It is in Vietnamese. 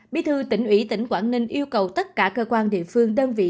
bí thư tỉnh ủy tỉnh quảng ninh yêu cầu tất cả cơ quan địa phương đơn vị